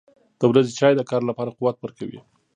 • د ورځې چای د کار لپاره قوت ورکوي.